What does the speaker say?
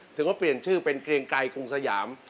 ถือว่าเปลี่ยนชื่อเป็นเกรียงไกรกรุงสยาม